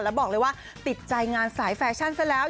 แล้วบอกเลยว่าติดใจงานสายแฟชั่นซะแล้ว